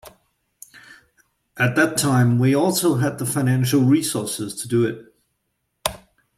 At that time we also had the financial resources to do it.